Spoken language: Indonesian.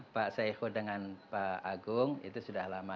pak saihu dengan pak agung itu sudah lama